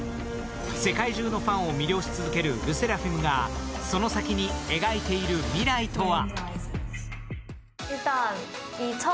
世界中のファンを魅了し続けるＬＥＳＳＥＲＡＦＩＭがその先に描いている未来とは？